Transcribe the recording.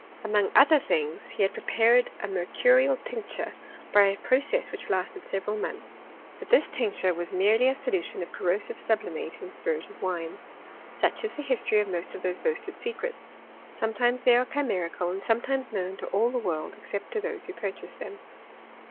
Among other things he had prepared a mer^ curiiil tincture, by a process which lasted several months : but this tincture was merely a solution of rorroHivc sublimate in spirit of wine. Such is the hiMtory of most of those boasted secrets ; sometimes they are chimerical, and sometimes known to all the world, excej)t to those who purchase them.